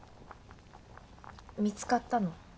見つかったの？